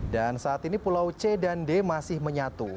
dan saat ini pulau c dan d masih menyatu